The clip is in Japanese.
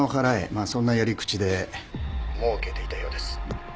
まあそんなやり口でもうけていたようです。